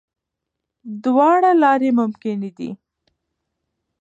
دواړه لارې ممکن دي.